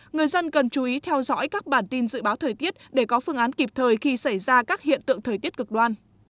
người dân cần chú ý theo dõi các bản tin dự báo thời tiết để có phương án kịp thời khi xảy ra các hiện tượng thời tiết cực đoan